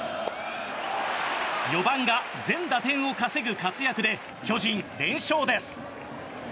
４番が全打点を稼ぐ活躍で巨人、連勝です。